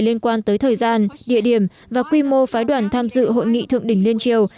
liên quan tới thời gian địa điểm và quy mô phái đoàn tham dự hội nghị thượng đỉnh liên triều